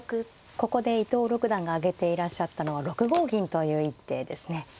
ここで伊藤六段が挙げていらっしゃったのは６五銀という一手ですね。